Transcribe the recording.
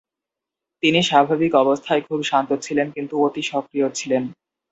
তিনি স্বাভাবিক অবস্থায় খুব শান্ত ছিলেন কিন্তু অতি সক্রিয় ছিলেন।